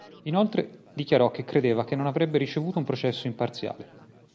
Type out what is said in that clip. Inoltre dichiarò che credeva che non avrebbe ricevuto un processo imparziale.